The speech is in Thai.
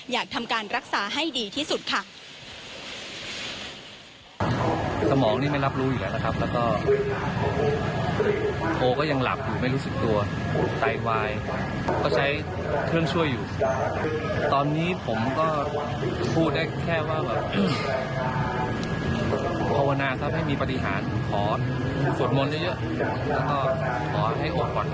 อยากทำการรักษาให้ดีที่สุดค่ะ